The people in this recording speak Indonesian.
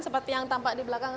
seperti yang tampak di belakang